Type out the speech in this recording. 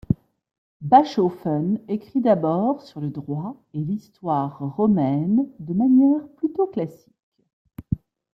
Bachofen écrit d'abord sur le droit et l'histoire romaine de manière plutôt classique.